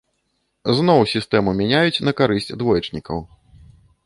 Зноў сістэму мяняюць на карысць двоечнікаў.